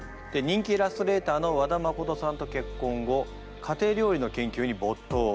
人気イラストレーターの和田誠さんと結婚後家庭料理の研究にぼっとう。